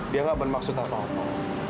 dia gak bermaksud apa apa